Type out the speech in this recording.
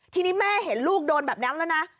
ทีนี้แม่เห็นลูกโดนแบบนั้นแล้วนะ